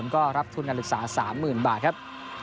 ก็รับทุนการศึกษา๓๐๐๐บาทครับ